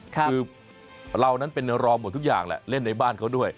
คือเรานั้นเป็นรอหมดทุกอย่างแหละเล่นในบ้านเขาด้วย